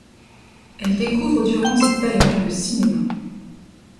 Elle découvre durant cette période le cinéma.